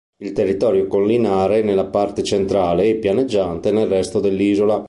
Il territorio collinare nella parte centrale e pianeggiante nel resto dell'isola.